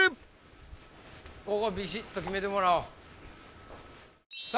ここビシッと決めてもらおうさあ